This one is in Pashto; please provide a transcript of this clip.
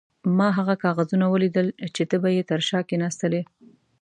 ما هغه کاغذونه ولیدل چې ته به یې تر شا کښېناستلې.